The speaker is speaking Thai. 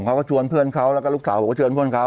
เขาก็ชวนเพื่อนเขาแล้วก็ลูกสาวผมก็ชวนเพื่อนเขา